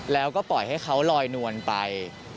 แล้วก็ปล่อยให้เขาลอยนวลไป